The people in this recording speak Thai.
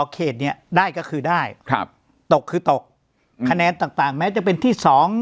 เขตเนี่ยได้ก็คือได้ครับตกคือตกคะแนนต่างแม้จะเป็นที่๒